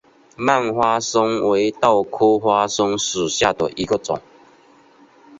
蔓花生为豆科花生属下的一个种。